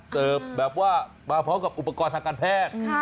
เสิร์ฟแบบว่ามาพร้อมกับอุปกรณ์ทางการแพทย์